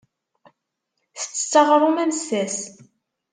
Tettett aɣrum amessas.